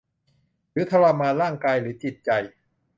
หรือทรมานร่างกายหรือจิตใจ